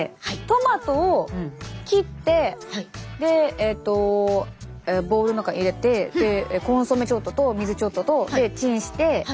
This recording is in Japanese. トマトを切ってボウルの中に入れてコンソメちょっとと水ちょっととでチンして。